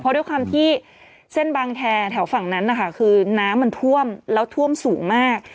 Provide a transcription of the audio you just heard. เพราะด้วยความที่เส้นบางแคร์แถวฝั่งนั้นนะคะคือน้ำมันท่วมแล้วท่วมสูงมาก